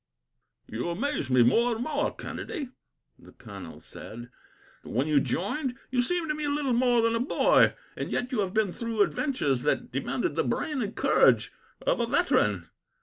"You amaze me more and more, Kennedy," the colonel said. "Six months ago, when you joined, you seemed to me little more than a boy, and yet you have been through adventures that demanded the brain and courage of a veteran.